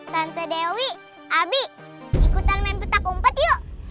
tante dewi abi ikutan main putak umpet yuk